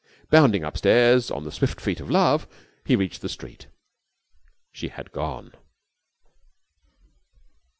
Bounding upstairs on the swift feet of love, he reached the street. She had gone.